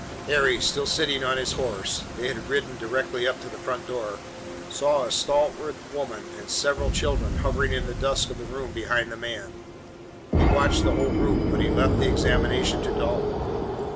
Harry, still sitting on his horse they had ridden directly up to the front door saw a stalwart woman and several children hovering in the dusk of the room behind the man. He watched the whole group, but he left the examination to Dalton.